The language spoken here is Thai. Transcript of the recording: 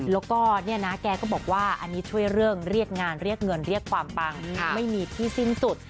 แล้วก็แกบอกว่าอันนี้ช่วยเรื่องเรียกงานเพื่อกว่าก็ไม่มีที่สิ้นสุด